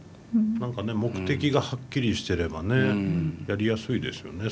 何かね目的がはっきりしてればねやりやすいですよね。